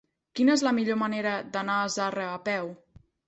Quina és la millor manera d'anar a Zarra a peu?